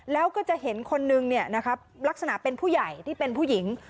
แล้วก็จะเห็นคนหนึ่งเนี่ยนะครับลักษณะเป็นผู้ใหญ่ที่เป็นผู้หญิง